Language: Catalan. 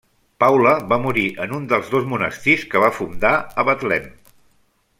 Paula va morir en un dels dos monestirs que va fundar a Betlem.